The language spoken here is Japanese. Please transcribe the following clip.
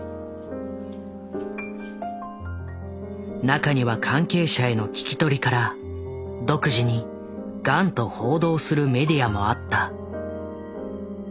中には関係者への聞き取りから独自にガンと報道するメディアもあった。